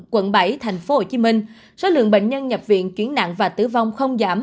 quận bảy tp hcm số lượng bệnh nhân nhập viện chuyển nặng và tử vong không giảm